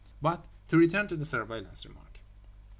—But to return to the Surveillants remark.